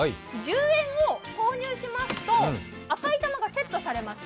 １０円を投入しますと赤い玉がセットされます。